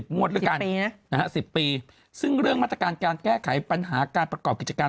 งวดแล้วกัน๑๐ปีซึ่งเรื่องมาตรการการแก้ไขปัญหาการประกอบกิจการ